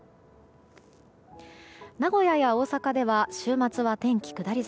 名古屋や大阪では週末は天気下り坂。